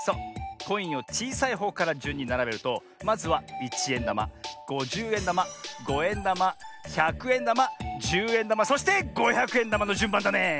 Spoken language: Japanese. コインをちいさいほうからじゅんにならべるとまずはいちえんだまごじゅうえんだまごえんだまひゃくえんだまじゅうえんだまそしてごひゃくえんだまのじゅんばんだねえ。